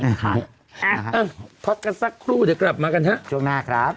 พักกันสักครู่เดี๋ยวกลับมากันฮะช่วงหน้าครับ